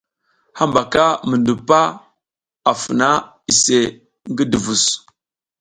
Hambaka mi ndupa a funa iseʼe ngi duvus.